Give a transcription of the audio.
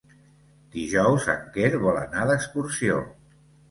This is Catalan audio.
Dijous en Quer vol anar d'excursió.